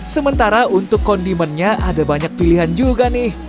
sementara untuk kondimennya ada banyak pilihan juga nih